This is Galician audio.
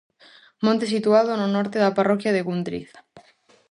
Monte situado no norte da parroquia de Gundriz.